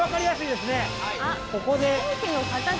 ここで。